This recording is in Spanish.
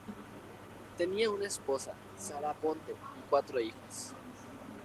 Tenía una esposa, Sara Aponte, y cuatro hijos.